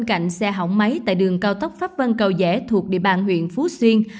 cạnh xe hỏng máy tại đường cao tốc pháp vân cầu rẽ thuộc địa bàn huyện phú xuyên